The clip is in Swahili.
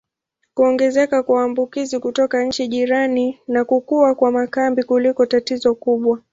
Kuongezeka kwa wakimbizi kutoka nchi jirani na kukua kwa makambi kulikuwa tatizo kubwa.